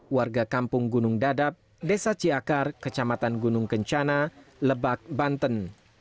warga kampung gunung dadap desa ciakar kecamatan gunung kencana lebak banten